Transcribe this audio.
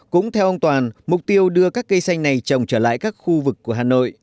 cũng theo ông toàn mục tiêu đưa các cây xanh này trồng trở lại các khu vực của hà nội